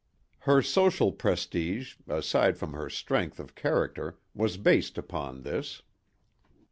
Her social prestige, aside from her strength of character, was based upon this.